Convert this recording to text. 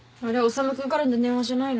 修君からの電話じゃないの？